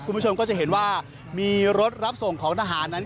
คุณผู้ชมก็จะเห็นว่ามีรถรับส่งของทหารนั้น